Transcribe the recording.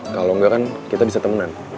kalau enggak kan kita bisa temenan